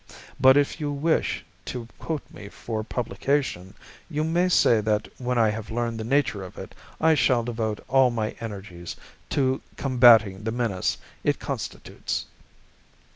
"But if you wish to quote me for publication, you may say that when I have learned the nature of it, I shall devote all my energies to combating the menace it constitutes."